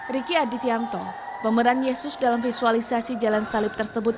riki adityanto pemeran yesus dalam visualisasi jalan salib tersebut